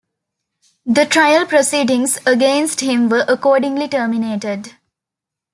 The trial proceedings against him were accordingly terminated.